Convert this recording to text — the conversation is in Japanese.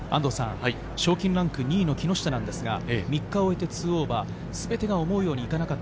賞金ランク２位の木下なんですが、３日を終えて、＋２。すべてが思うようにいかなかった。